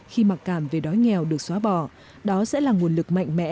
khi mặc cảm về đói nghèo được xóa bỏ đó sẽ là nguồn lực mạnh mẽ